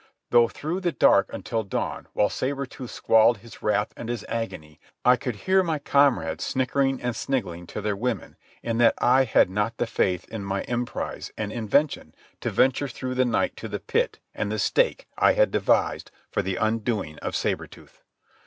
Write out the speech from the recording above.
. though through the dark until dawn, while Sabre Tooth squalled his wrath and his agony, I could hear my comrades snickering and sniggling to their women in that I had not the faith in my emprise and invention to venture through the night to the pit and the stake I had devised for the undoing of Sabre Tooth.